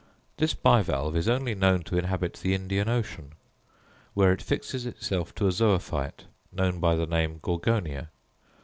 This bivalve is only known to inhabit the Indian Ocean, where it fixes itself to a zoophyte, known by the name Gorgonia.